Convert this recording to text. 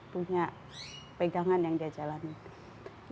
punya pegangan yang dia jalani